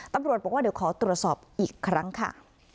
ตำรวจบอกว่าเดี๋ยวขอตรวจสอบอีกครั้งค่ะ